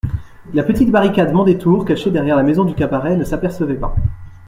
La petite barricade Mondétour, cachée derrière la maison du cabaret, ne s'apercevait pas.